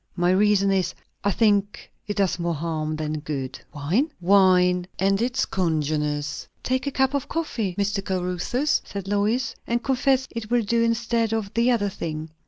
"My reason is, I think it does more harm than good." "Wine?" "Wine, and its congeners." "Take a cup of coffee, Mr. Caruthers," said Lois; "and confess it will do instead of the other thing."